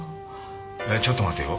いやちょっと待てよ。